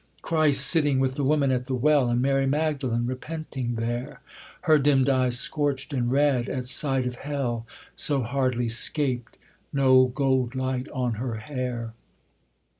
Christ sitting with the woman at the well, And Mary Magdalen repenting there, Her dimmed eyes scorch'd and red at sight of hell So hardly 'scaped, no gold light on her hair.